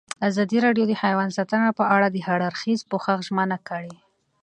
ازادي راډیو د حیوان ساتنه په اړه د هر اړخیز پوښښ ژمنه کړې.